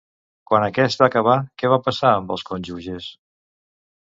Quan aquest va acabar, què va passar amb els cònjuges?